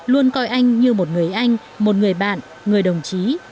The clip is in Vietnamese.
luôn coi anh như một người anh một người bạn người đồng chí